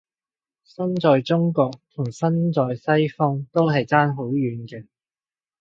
身在中國同身在西方都係爭好遠嘅